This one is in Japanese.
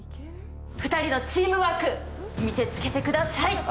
２人のチームワーク見せつけてください。